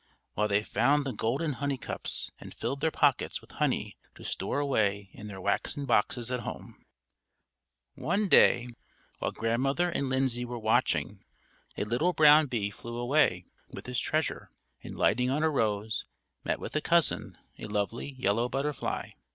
"_ while they found the golden honey cups, and filled their pockets with honey to store away in their waxen boxes at home. One day, while Grandmother and Lindsay were watching, a little brown bee flew away with his treasure, and lighting on a rose, met with a cousin, a lovely yellow butterfly.